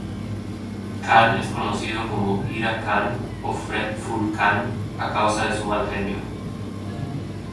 Kan es conocido como 'Ira-Kan' o 'Fretful-Kan', a causa de su mal genio.